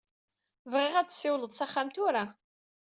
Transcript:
Bɣiɣ ad tessiwleḍ s axxam tura.